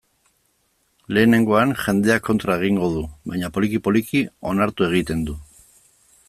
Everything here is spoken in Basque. Lehenengoan, jendeak kontra egingo du, baina, poliki-poliki, onartu egiten du.